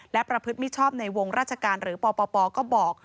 และประพฤติมิชชอบในวงราชการหรือปปก็บอก